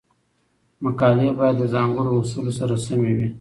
مقالې باید د ځانګړو اصولو سره سمې وي.